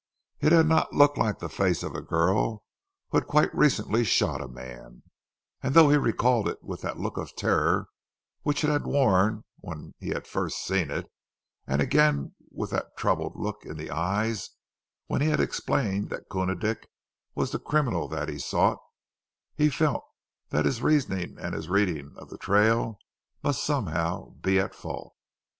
It had not looked like the face of a girl who had quite recently shot a man, and though he recalled it with that look of terror which it had worn when he had first seen it, and again with that troubled look in the eyes when he had explained that Koona Dick was the criminal that he sought, he felt that his reasoning and his reading of the trail must somehow be at fault.